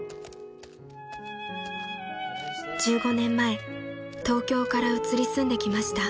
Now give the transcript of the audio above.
［１５年前東京から移り住んできました］